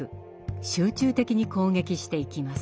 集中的に攻撃していきます。